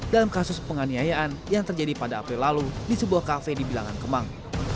dalam kasus penganiayaan yang terjadi pada april lalu di sebuah kafe di bilangan kemang